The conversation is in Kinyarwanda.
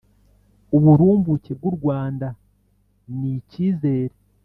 uburumbuke bw u Rwanda n ikizere